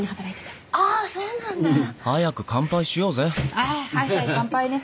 あはいはい乾杯ね。